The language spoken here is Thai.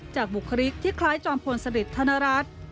บุคลิกที่คล้ายจอมพลสริทธนรัฐ